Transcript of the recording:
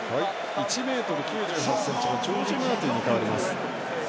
１ｍ９８ｃｍのジョージ・マーティンに代わります。